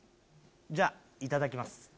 じゃあいただきます。